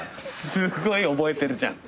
すごい覚えてるじゃん。